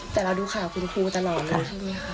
แต่เราดูข่าวของคุณครูตลอดเลย